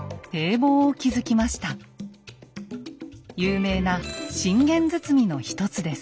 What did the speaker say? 有名な「信玄堤」の一つです。